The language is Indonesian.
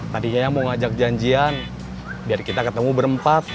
tadi nyaya mau ngajak janjian biar kita ketemu berempat